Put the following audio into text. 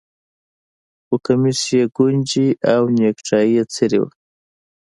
خو کمیس یې ګونځې او نیکټايي یې څیرې وه